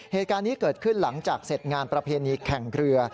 เหตุการณ์นี้เกิดขึ้นหลังจากเสร็จงานประเพณีแข่งเรือ